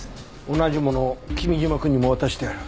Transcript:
同じものを君嶋くんにも渡してある。